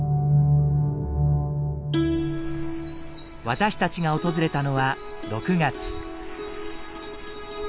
私たちが訪れたのは６月。